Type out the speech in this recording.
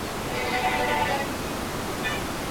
د افغان سوداګرو تاریخي میراث څنګه تر نن ورځې پاته دی؟